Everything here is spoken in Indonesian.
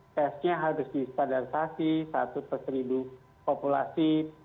tesnya harus distandarisasi satu per seribu populasi